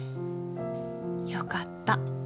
よかった。